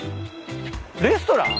レストラン？